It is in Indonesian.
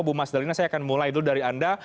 bu mas dalina saya akan mulai dulu dari anda